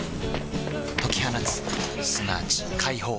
解き放つすなわち解放